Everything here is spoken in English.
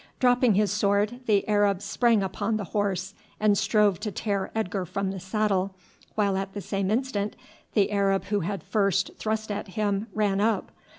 Dropping his sword the Arab sprang upon the horse and strove to tear Edgar from the saddle, while at the same instant the Arab who had first thrust at him ran up.